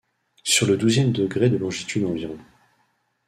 Sur le douzième degré de longitude environ.